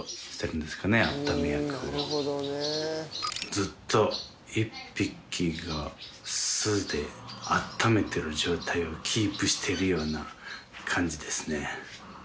ずっと１匹が巣で温めてる状態をキープしてるような感じですね。